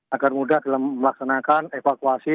agar mudah dalam melaksanakan evakuasi